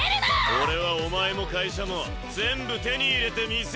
俺はお前も会社も全部手に入れてみせるぞ。